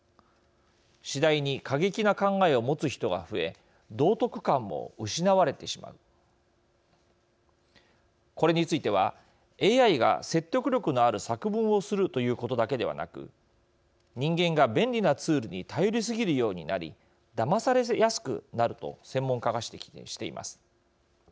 次第に過激な考えを持つ人が増え道徳観も失われてしまうこれについてはＡＩが説得力のある作文をするということだけでなく人間が便利なツールに頼りすぎるようになりだまされやすくなると専門家が指摘しています。